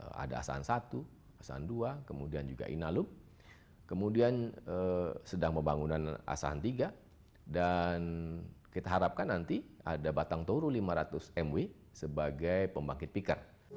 nah ada asahan satu asahan dua kemudian juga inalum kemudian sedang pembangunan asahan tiga dan kita harapkan nanti ada batang toru lima ratus mw sebagai pembangkit piker